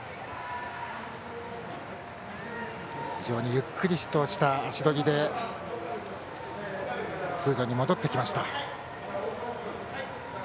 非常にゆっくりとした足取りで通路に戻ってきました。